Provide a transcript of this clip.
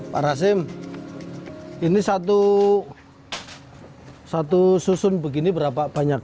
pak rasim ini satu susun begini berapa banyak